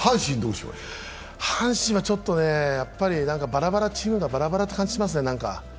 阪神はちょっとねえ、やっぱりチームがバラバラって気がします。